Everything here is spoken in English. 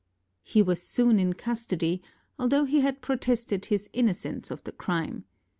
He was soon in custody, although he had protested his innocence of the crime.